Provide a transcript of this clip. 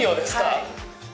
はい。